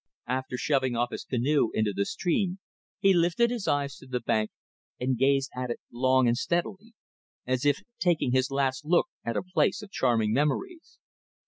After shoving off his canoe into the stream he lifted his eyes to the bank and gazed at it long and steadily, as if taking his last look at a place of charming memories.